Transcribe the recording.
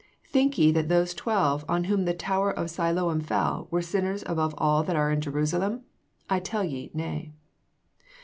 "Think ye that those twelve on whom the tower of Siloam fell were sinners above all that are in Jerusalem? I tell you nay."